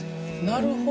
なるほど。